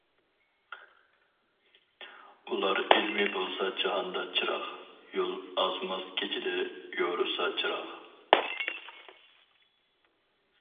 ئۇلار ئىلمى بولسا جاھاندا چىراغ، يول ئازماس كېچىدە يورۇسا چىراغ.